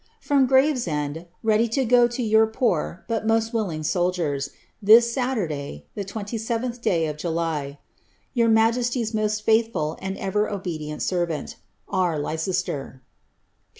■ From Gravesend, ready to go to your pore^ but most willing soldiers, this Saturday, the 27th day of July. Your majesty's most faithful and ever obedient servant, " R. Lbicbstbb.